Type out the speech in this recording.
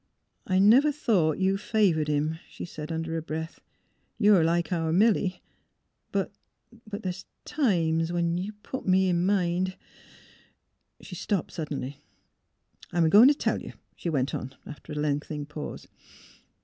" I never thought you favoured him," she said, under her breath, —'' you're like our Milly. But — the' 's times when you put me in mind " She stopped suddenly. ''I'm a goin' t' tell you," she went on, after a lengthening pause.